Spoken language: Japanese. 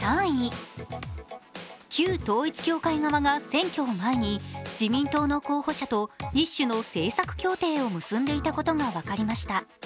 旧統一教会側が選挙を前に、自民党の候補者と一種の政策協定を結んでいたことが分かりました。